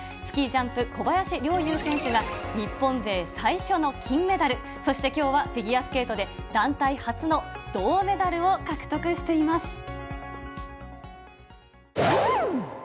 スキージャンプ、小林陵侑選手が、日本勢最初の金メダル。そしてきょうは、フィギュアスケートで、団体初の銅メダルを獲得しています。